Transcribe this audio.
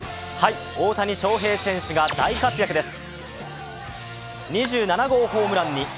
大谷翔平選手が大活躍です。